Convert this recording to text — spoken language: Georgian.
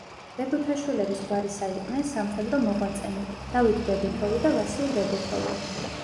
ბებუთაშვილების გვარისა იყვნენ სამხედრო მოღვაწენი: დავით ბებუთოვი და ვასილ ბებუთოვი.